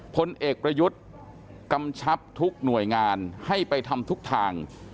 ผลเอกประยุทธ์กำชับทุกหน่วยงานให้ไปทำทุกทาง